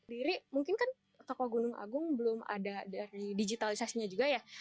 diri mungkin kan toko gunung agung belum ada dari digitalisasinya juga ya